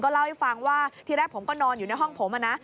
เล่าให้ฟังว่าที่แรกผมก็นอนอยู่ในห้องผม